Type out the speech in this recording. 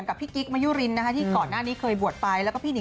กลีกมายุรินท์ที่ก่อนหน้านี้บวชไป